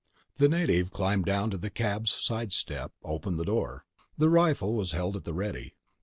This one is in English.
The native climbed down to the cab's side step, opened the door. The rifle was held at the ready.